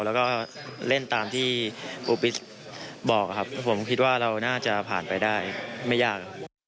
แล้วก็เล่นตามที่ปูปิศบอกครับผมคิดว่าเราน่าจะผ่านไปได้ไม่ยาก